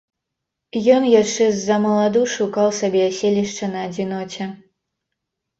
Ён яшчэ ззамаладу шукаў сабе аселішча на адзіноце.